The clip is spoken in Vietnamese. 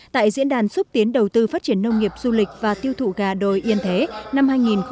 tại diễn đàn xúc tiến đầu tư phát triển nông nghiệp du lịch và tiêu thụ gà đồi yên thế năm hai nghìn một mươi chín